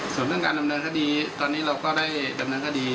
ส่วนเรื่องการดำเนินคดีตอนนี้เราก็ได้ดำเนินคดี